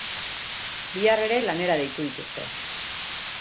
Bihar ere lanera deitu dituzte.